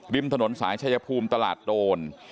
ริมถนนสายชายภูมิตลาดโดน